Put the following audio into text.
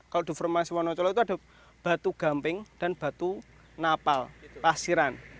kalau di formasi wonocolo itu ada batu gamping dan batu napal pasiran